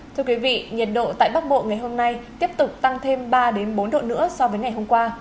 thưa quý vị nhiệt độ tại bắc bộ ngày hôm nay tiếp tục tăng thêm ba bốn độ nữa so với ngày hôm qua